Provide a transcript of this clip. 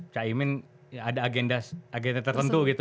cak imin ada agenda tertentu gitu